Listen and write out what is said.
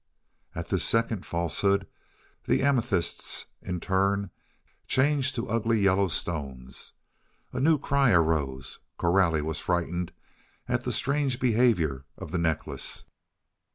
At this second falsehood the amethysts, in turn, changed to ugly yellow stones. A new cry arose. Coralie was frightened at the strange behaviour of the necklace.